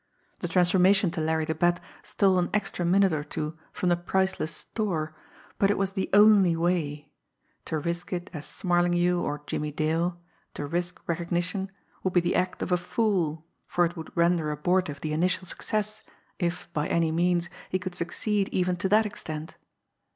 The transformation to Larry the Bat stole an extra minute or two from the priceless store, but it was the only way to risk it as Smarlinghue or Jimmie Dale, to risk recognition, would be the act of a fool, for it would render abortive the initial success, if, by any means, he could succeed even to that extent.